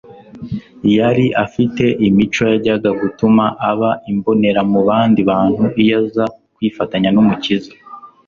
Yari afite imico yajyaga gutuma aba imbonera mu bandi bantu iyo aza kwifatanya n'Umukiza.